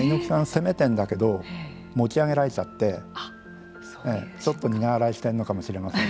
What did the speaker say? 攻めてんだけど持ち上げられちゃってちょっと苦笑いしてんのかもしれません。